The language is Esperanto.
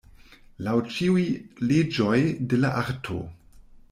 Laŭ ĉiuj leĝoj de la arto.